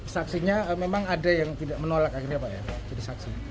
saksinya memang ada yang tidak menolak akhirnya pak ya jadi saksi